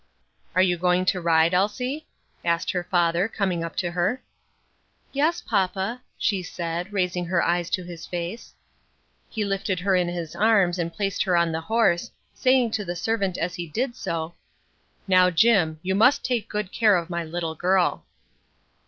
"Are you going to ride, Elsie?" asked her father, coming up to her. "Yes, papa," she said, raising her eyes to his face. He lifted her in his arms and placed her on the horse, saying to the servant as he did so, "Now, Jim, you must take good care of my little girl."